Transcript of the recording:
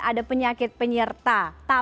ada penyakit penyerta